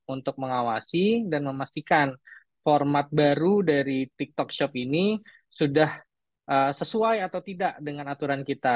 untuk mengawasi dan memastikan format baru dari tiktok shop ini sudah sesuai atau tidak dengan aturan kita